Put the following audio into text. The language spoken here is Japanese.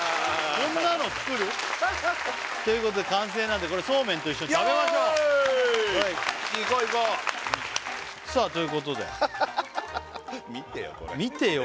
こんなの作る？ということで完成なんでこれそうめんと一緒に食べましょういこういこう！さあということでハハハ見てよこれ見てよ